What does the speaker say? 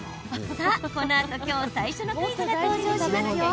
さあこのあと、きょう最初のクイズが登場しますよ。